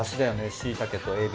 しいたけとエビ。